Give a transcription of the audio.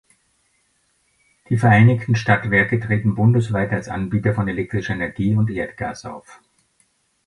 Die Vereinigten Stadtwerke treten bundesweit als Anbieter von elektrischer Energie und Erdgas auf.